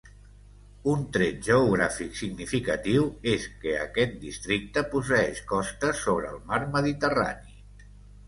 Un tret geogràfic significatiu és que aquest districte posseeix costes sobre el mar Mediterrani.